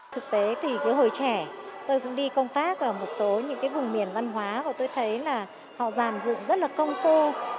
thực tế thì cái hồi trẻ tôi cũng đi công tác ở một số những cái vùng miền văn hóa và tôi thấy là họ giàn dựng rất là công phu